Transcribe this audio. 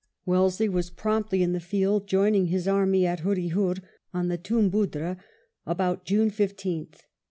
Wellesley was promptly in the field, joining his army at Hurryhur on the Toombuddra about June 15th.